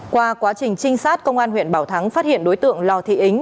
qua quá trình trinh sát công an huyện bảo thắng phát hiện đối tượng lào thị ính